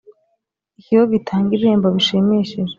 Ikigo gitanga ibihembo bishimishije